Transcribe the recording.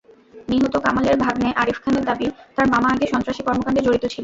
নিহত কামালের ভাগনে আরিফ খানের দাবি, তাঁর মামা আগে সন্ত্রাসী কর্মকাণ্ডে জড়িত ছিলেন।